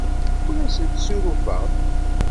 Ur asent-ssurufeɣ.